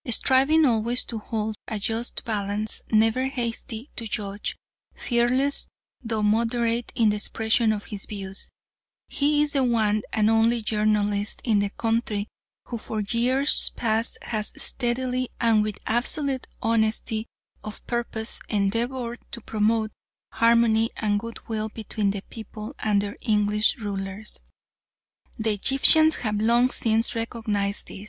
Striving always to hold a just balance, never hasty to judge, fearless though moderate in the expression of his views, he is the one and only journalist in the country who for years past has steadily and with absolute honesty of purpose endeavoured to promote harmony and goodwill between the people and their English rulers. The Egyptians have long since recognised this.